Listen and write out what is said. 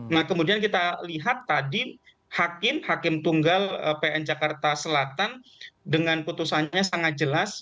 nah kemudian kita lihat tadi hakim hakim tunggal pn jakarta selatan dengan putusannya sangat jelas